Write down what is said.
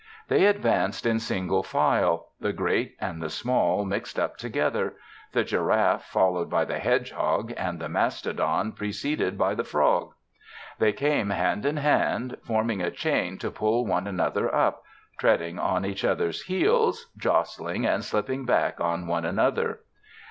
They advanced in single file, the great and the small mixed up together; the giraffe followed by the hedgehog and the mastodon preceded by the frog. They came hand in hand, forming a chain to pull one another up, treading on each other's heels, jostling and slipping back on one another.